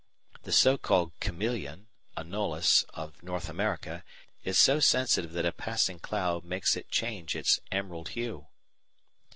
The so called "chameleon" (Anolis) of North America is so sensitive that a passing cloud makes it change its emerald hue.